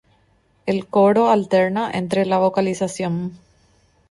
El coro alterna entre la vocalización.